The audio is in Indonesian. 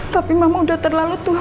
tapi mama udah terlalu tua